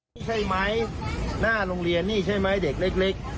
นี่ใช่ไหมหน้าโรงเรียนนี่ใช่ไหมเด็กเล็ก